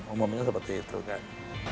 umumnya seperti itu kan